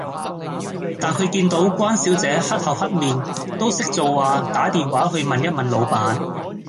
但佢見到關小姐黑口黑面，都識做話打電話去問一問老闆